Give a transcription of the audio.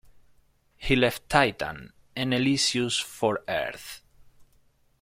He left Titan and Elysius for Earth.